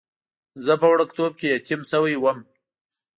زه په وړکتوب کې یتیم شوی وم.